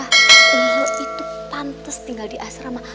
lo itu pantes tinggal di asrama